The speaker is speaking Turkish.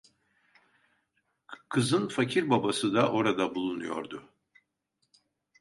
Kızın fakir babası da orada bulunuyordu.